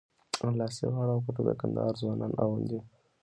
لاسي غاړه او پټو د کندهار ځوانان اغوندي.